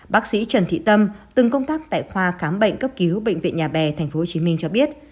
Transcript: bác sĩ trần thị tâm từng công tác tại khoa khám bệnh cấp cứu bệnh viện nhà bè tp hcm cho biết